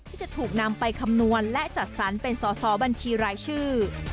ที่จะถูกนำไปคำนวณและจัดสรรเป็นสอสอบัญชีรายชื่อ